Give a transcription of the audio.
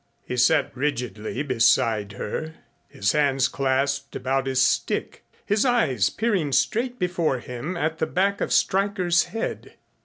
He sat rigidly beside her, his hands clasped about his stick, his eyes peering straight before him at the back of Stryker's head.